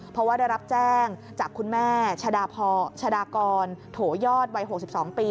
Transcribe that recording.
เพราะว่าได้รับแจ้งจากคุณแม่ชะดากรโถยอดวัย๖๒ปี